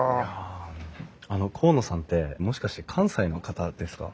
あの河野さんってもしかして関西の方ですか？